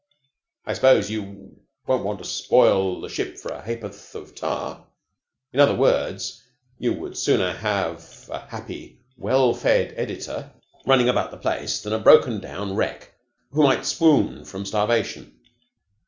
I suppose you won't want to spoil the ship for a ha'porth of tar? In other words, you would sooner have a happy, well fed editor running about the place than a broken down wreck who might swoon from starvation?"